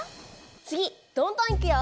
つぎどんどんいくよ！